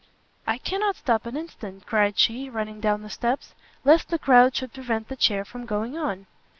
"I cannot stop an instant," cried she, running down the steps, "lest the crowd should prevent the chair from going on."